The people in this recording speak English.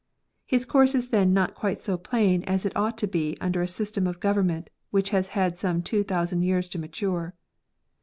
His course is then not quite so plain as it ought to be under a system of government which has had some two thousand years to mature.